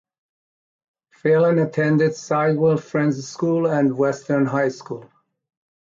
Phelan attended Sidwell Friends School and Western High School.